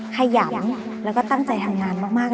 ขยำแล้วก็ตั้งใจทำงานมากเลยค่ะ